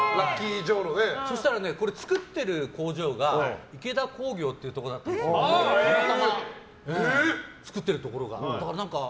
これ作ってる工場が池田工業っていうところでたまたま、作ってるところが。